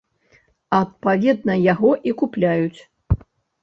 Адпаведна, яго і купляюць.